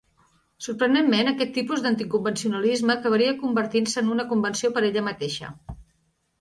Sorprenentment, aquest tipus d'anticonvencionalisme acabaria convertint-se en una convenció per ella mateixa.